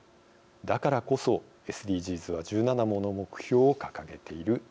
だからこそＳＤＧｓは１７もの目標を掲げているとも言えます。